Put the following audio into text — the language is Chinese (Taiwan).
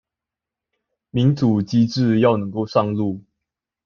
民主機制要能夠上路